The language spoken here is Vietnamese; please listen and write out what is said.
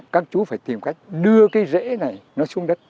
các chú phải tìm cách đưa cái rễ này nó xuống đất